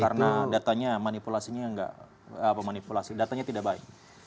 karena datanya manipulasinya tidak baik